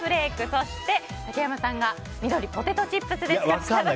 そして竹山さんが緑のポテトチップスですが設楽さん。